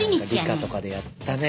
理科とかでやったね道管。